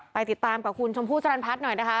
ไปติดตามกับคุณชมพู่สรรพัฒน์หน่อยนะคะ